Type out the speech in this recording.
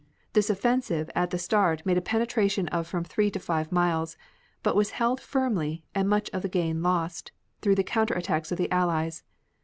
This offensive at the start made a penetration of from three to five miles, but was held firmly and much of the gain lost, through the counter attacks of the Allies.